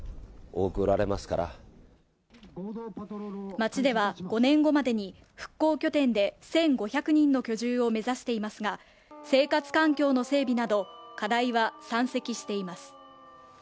町では５年後までに復興拠点で１５００人の居住を目指していますが、生活環境の整備など課題は山積しています。